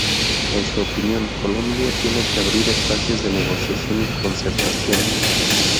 En su opinión, "Colombia tiene que abrir espacios de negociación y concertación.